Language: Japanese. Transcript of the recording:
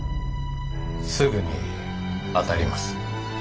すぐに当たります。